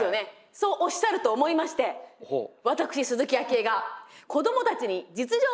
そうおっしゃると思いまして私鈴木あきえが子どもたちに実情を聞いてきました。